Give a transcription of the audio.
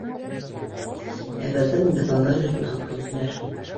Ә беҙҙе бында, балалар йортона, алып килделәр.